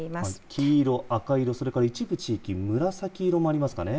黄色、赤色それから一部地域紫色もありますかね。